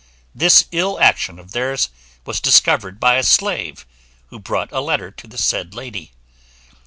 This ill action of theirs was discovered by a slave, who brought a letter to the said lady.